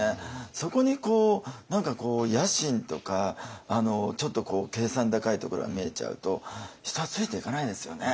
そこに野心とかちょっと計算高いところが見えちゃうと人はついていかないですよね。